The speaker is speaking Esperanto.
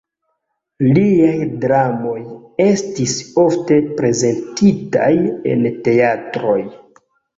Liaj dramoj estis ofte prezentitaj en teatroj.